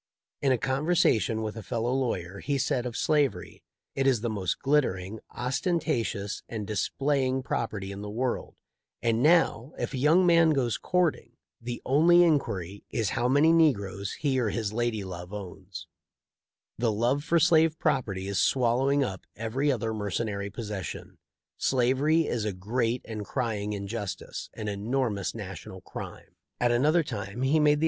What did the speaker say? In a conversation with a fellow lawyer* he said of slavery: "It is the most glittering, ostentatious, and displaying property in the world, and now, if a young man goes courting, the only inquiry is how many negroes he or his lady love owns. The love for slave property is swallowing up every other mercenary possession. Slavery is a great and crying injustice — an enormous national crime." At another time he made the * Joseph Gillespie, MS. letter, June 9, '66. THE LIFE OF LINCOLX.